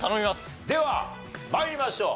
では参りましょう。